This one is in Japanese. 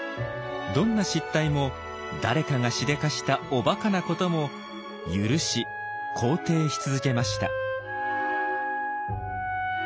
どんな失態も誰かがしでかしたおバカなことも許し肯定し続けました。